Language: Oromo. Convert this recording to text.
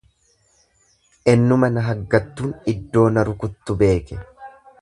Ennuma na haggattun iddoo na rukuttu beeke.